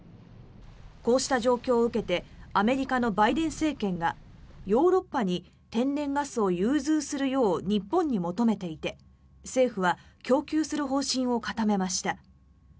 こうした状況を受けてアメリカのバイデン政権がヨーロッパに天然ガスを融通するよう日本に求めていて政府は供給する方針を固めました。